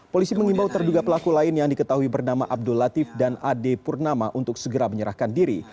polisi mengimbau terduga pelaku lain yang diketahui bernama abdul latif dan ade purnama untuk segera menyerahkan diri